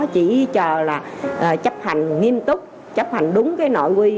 chỉ chờ là chấp hành nghiêm túc chấp hành đúng cái nội quy